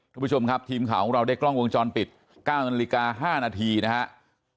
คุณผู้ชมครับทีมข่าวของเราได้กล้องวงจรปิด๙นาฬิกา๕นาทีนะครับ